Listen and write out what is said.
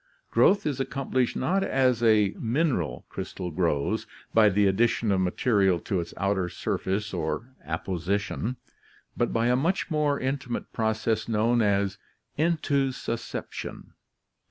Growth is accomplished not as a mineral crystal grows, by the addition of material to its outer surface, or apposition; but by a much more intimate process known as intussusception (Lat.